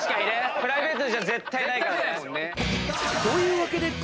プライベートじゃ絶対ないからね。